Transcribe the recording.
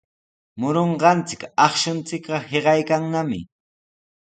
Murunqachik akshunchikqa hiqaykannami.